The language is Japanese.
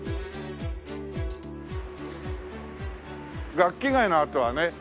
楽器街のあとはね。